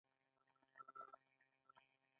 د اونۍ پای کې تل روخصت یم